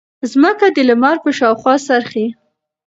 ځمکه د لمر په شاوخوا څرخي.